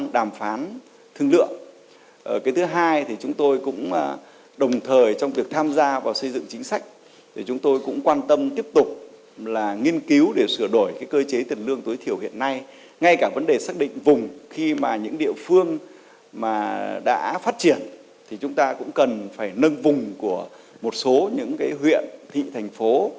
đã phát triển thì chúng ta cũng cần phải nâng vùng của một số những huyện thị thành phố